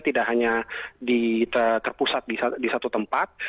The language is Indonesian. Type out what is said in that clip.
tidak hanya terpusat di satu tempat